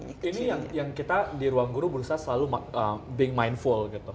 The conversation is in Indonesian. ini yang kita di ruangguru berusaha selalu being mindful gitu